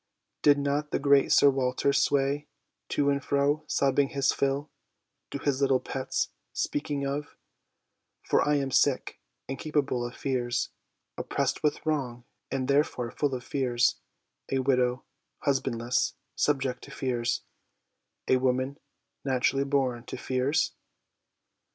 Did not the great Sir Walter " sway to and fro, sobbing his fill," to his little ' Pet's ' speaking of " For I am sick, and capable of fears, Oppressed with wrong, and therefore full of fears ; A widow, husbandless, subject to fears ; A woman, naturally born to fears